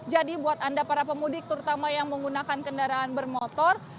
jadi buat anda para pemudik terutama yang menggunakan kendaraan bermotor